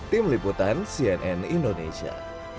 tim liputan cnn indonesia